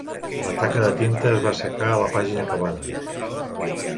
La taca de tinta es va assecar a la pàgina acabada.